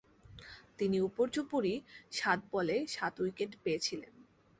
তিনি উপর্যুপরি সাত বলে সাত উইকেট পেয়েছিলেন।